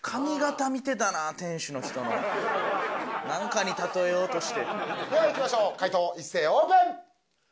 店主の人の何かに例えようとしてではいきましょう解答一斉オープン！